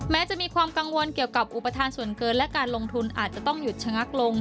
จะมีความกังวลเกี่ยวกับอุปทานส่วนเกินและการลงทุนอาจจะต้องหยุดชะงักลง